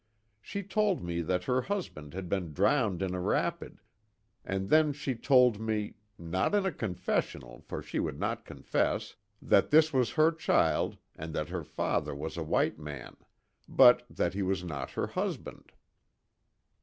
She told me that her husband had been drowned in a rapid, and then she told me not in confessional, for she would not confess, that this was her child and that her father was a white man, but that he was not her husband."